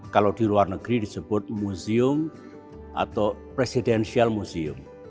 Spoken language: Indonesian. kalau di luar negeri disebut museum atau presidential museum